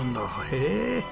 へえ。